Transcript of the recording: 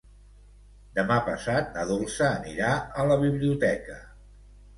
Demà passat na Dolça anirà a la biblioteca.